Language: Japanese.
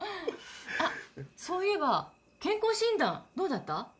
あそういえば健康診断どうだった？